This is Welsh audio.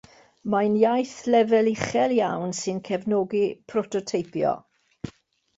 Mae'n iaith lefel uchel iawn sy'n cefnogi prototeipio.